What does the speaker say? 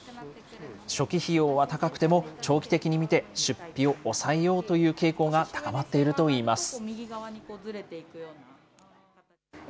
初期費用は高くても、長期的に見て、出費を抑えようという傾向が高まっているといいます。